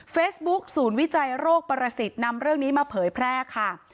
ศูนย์วิจัยโรคประสิทธิ์นำเรื่องนี้มาเผยแพร่ค่ะ